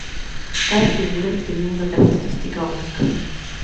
Cada figura tenía una característica única.